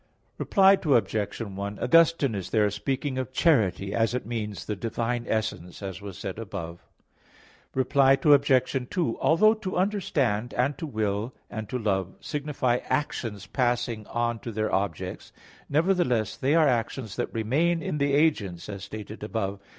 Reply Obj. 1: Augustine is there speaking of charity as it means the divine essence, as was said above (here and Q. 24, A. 2, ad 4). Reply Obj. 2: Although to understand, and to will, and to love signify actions passing on to their objects, nevertheless they are actions that remain in the agents, as stated above (Q.